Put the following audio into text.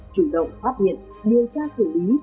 chủ động phát hiện điều tra xử lý